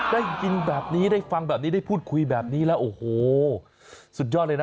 ได้ยินแบบนี้ได้ฟังแบบนี้ได้พูดคุยแบบนี้แล้วโอ้โหสุดยอดเลยนะ